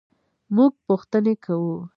مونږ پوښتنې کوو